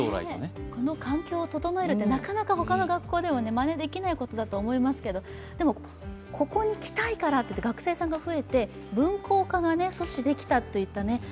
この環境を整えるってなかなかほかの学校でもまねできないことだと思いますけど、ここに来たいからっていって学生さんが増えて分校化が阻止できたそうですから。